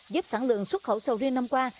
giúp sản lượng xuất khẩu sầu riêng năm qua